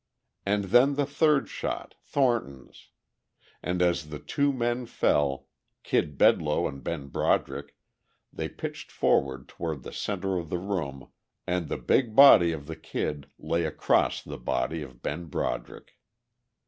And then the third shot, Thornton's ... and as the two men fell, Kid Bedloe and Ben Broderick, they pitched forward toward the centre of the room and the big body of the Kid lay across the body of Ben Broderick.